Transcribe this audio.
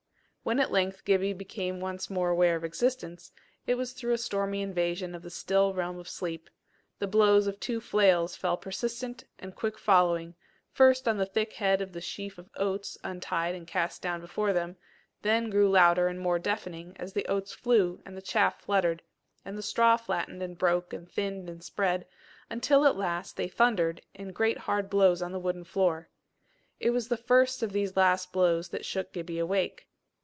When at length Gibbie became once more aware of existence, it was through a stormy invasion of the still realm of sleep; the blows of two flails fell persistent and quick following, first on the thick head of the sheaf of oats untied and cast down before them, then grew louder and more deafening as the oats flew and the chaff fluttered, and the straw flattened and broke and thinned and spread until at last they thundered in great hard blows on the wooden floor. It was the first of these last blows that shook Gibbie awake.